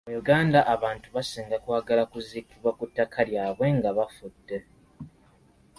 Mu Uganda abantu basinga kwagala kuziikibwa ku ttaka lyabwe nga bafudde.